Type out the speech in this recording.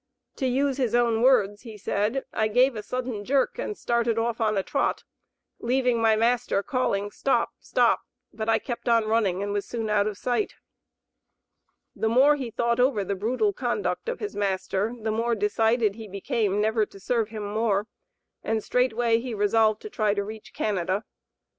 To use his own words, he said: "I gave a sudden jerk and started off on a trot, leaving my master calling, 'stop! stop!' but I kept on running, and was soon out of sight." The more he thought over the brutal conduct of his master the more decided he became never to serve him more, and straightway he resolved to try to reach Canada.